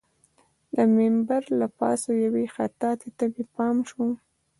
د منبر له پاسه یوې خطاطۍ ته مې پام شو.